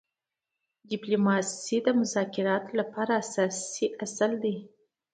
ډيپلوماسي د مذاکراتو لپاره اساسي اصل دی.